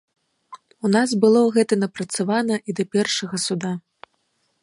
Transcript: У нас было гэта напрацавана і да першага суда.